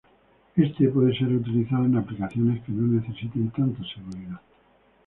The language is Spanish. Éste puede ser utilizado en aplicaciones que no necesiten tanta seguridad.